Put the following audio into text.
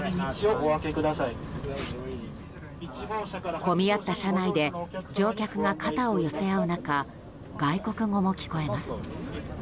混み合った車内で乗客が肩を寄せ合う中外国語も聞こえます。